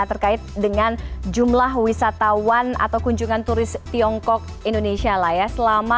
terkait dengan jumlah wisatawan atau kunjungan turis tiongkok indonesia